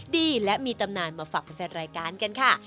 ดีและมีตำนานมาฝากแฟนรายการกันค่ะ